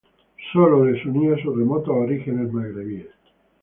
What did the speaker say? Solo les unía sus remotos orígenes magrebíes.